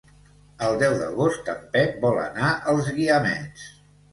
El deu d'agost en Pep vol anar als Guiamets.